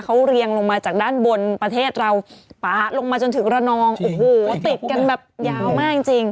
เขาเรียงลงมาจากด้านบนประเทศเราปะลงมาจนถึงระนองโอ้โหติดกันแบบยาวมากจริงจริง